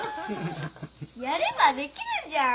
やればできるじゃん！